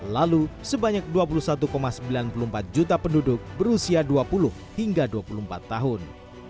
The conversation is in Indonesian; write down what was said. lalu sebanyak dua puluh satu sembilan puluh empat juta penduduk berusia dua puluh hingga dua puluh empat tahun